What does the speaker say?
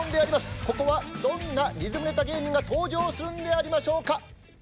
ここはどんなリズムネタ芸人が登場するんでありましょうか？